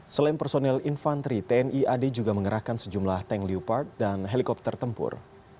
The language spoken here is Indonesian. selain personil infanteri tni ad juga mengerahkan sejumlah tank leopard dan helikopter tempur